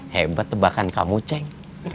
hebat tebakan kamu ceng